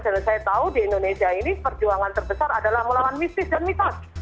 dan saya tahu di indonesia ini perjuangan terbesar adalah melawan mistis dan mitos